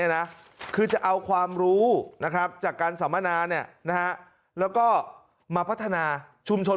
นะคือจะเอาความรู้นะครับจากการสำนานะแล้วก็มาพัฒนาชุมชน